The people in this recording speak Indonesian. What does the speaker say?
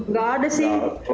gak ada sih